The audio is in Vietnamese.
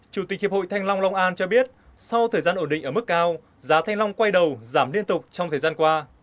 chủ tịch hiệp hội thanh long long an cho biết sau thời gian ổn định ở mức cao giá thanh long quay đầu giảm liên tục trong thời gian qua